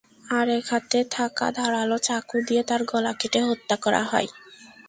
আরেক হাতে থাকা ধারালো চাকু দিয়ে তার গলা কেটে হত্যা করা হয়।